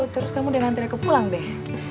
terus kamu udah ngantri ke pulang deh